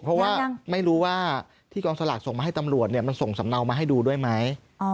เพราะว่าไม่รู้ว่าที่กองสลากส่งมาให้ตำรวจมันส่งสำเนามาให้ดูด้วยไหม